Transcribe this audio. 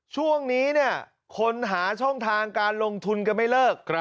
ช่วงนี้เนี่ยคนหาช่องทางการลงทุนกันไม่เลิก